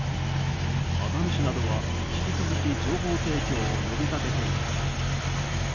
熱海市などは引き続き情報提供を呼び掛けています。